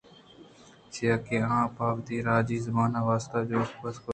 چیاکہ آیاں پہ وتی راجی زبان ءِ واست ءَ جُھد باز کُتگ۔